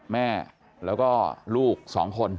แม่แล้วก็ลูก๒คน